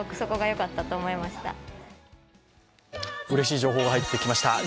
うれしい情報が入ってきました。